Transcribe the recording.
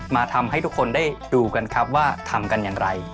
มาทำให้ทุกคนได้ดูกันครับว่าทำกันอย่างไร